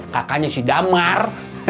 kakaknya si damar